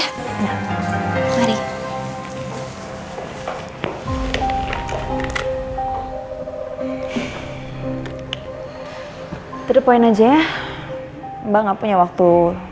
hai terpoin aja ya mbak nggak punya waktu